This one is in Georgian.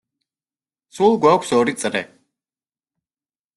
სულ გვაქვს ორი წრე.